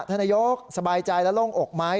ธนโยคสบายใจและล่วงโอกไหม